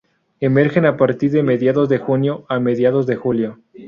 Emergen a partir de mediados de junio a mediados de julio.